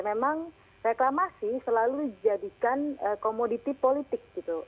memang reklamasi selalu dijadikan komoditi politik gitu